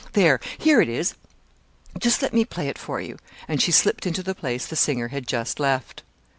There, here it is. Just let me play it for you." And she slipped into the place the singer had just left.